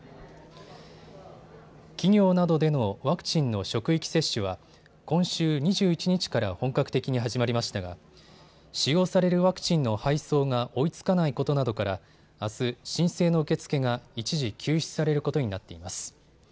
企業などでのワクチンの職域接種は今週２１日から本格的に始まりましたが使用されるワクチンの配送が追いつかないことなどからあす、申請の受け付けが一時休止されることになっています。